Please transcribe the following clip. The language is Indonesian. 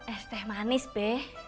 es teh manis be